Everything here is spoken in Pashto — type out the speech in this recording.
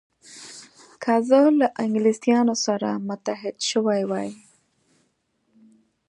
که زه له انګلیسانو سره متحد شوی وای.